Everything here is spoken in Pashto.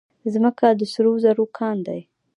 ځمکه د سرو زرو کان دی.